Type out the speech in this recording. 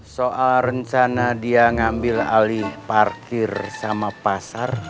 soal rencana dia ngambil alih parkir sama pasar